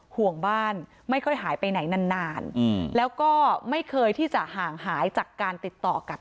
ห่วงบ้านไม่ค่อยหายไปไหนนานนานแล้วก็ไม่เคยที่จะห่างหายจากการติดต่อกับ